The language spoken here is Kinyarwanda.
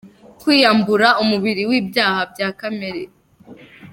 kwiyambura umubiri w’ibyaha bya kamere